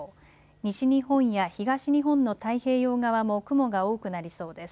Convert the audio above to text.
西日本や東日本の太平洋側も雲が多くなりそうです。